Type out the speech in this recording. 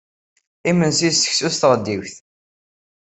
Imensi d seksu s tɣeddiwt